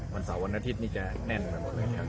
วันเสาร์วันอาทิตย์นี่จะแน่นทั้งหมดเลยแถวนี้ครับ